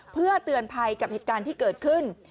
เพื่อเตือนภัยกับเหตุการณ์ที่เกิดขึ้น